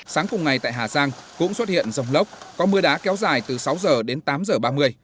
sáng cùng ngày tại hà giang cũng xuất hiện rông lốc có mưa đá kéo dài từ sáu h đến tám h ba mươi